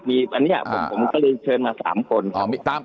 อันนี้ผมก็เลยเชิญมา๓คน